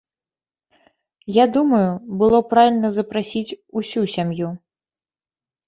Я думаю, было правільна запрасіць усю сям'ю.